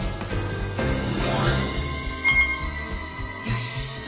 よし。